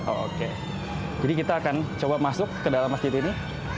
oh oke jadi kita akan coba masuk ke dalam masjid ini